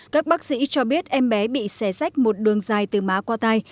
các bác sĩ cho biết em bé bị xé sách một đường dài từ má qua tay